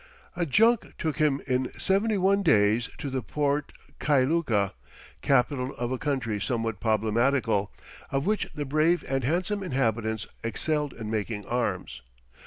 A junk took him in seventy one days to the port Kailuka, capital of a country somewhat problematical, of which the brave and handsome inhabitants excelled in making arms.